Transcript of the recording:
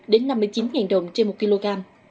đến năm mươi chín đồng trên một kg